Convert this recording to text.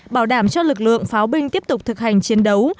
bảo đảm cho lực lượng pháo binh tiếp tục thực hành chiến đấu